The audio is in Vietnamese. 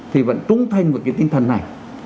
thì vẫn trung thành với cái tinh thần này